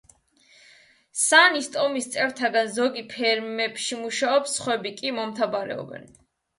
სანის ტომის წევრთაგან ზოგი ფერმებში მუშაობს, სხვები კი მომთაბარეობენ.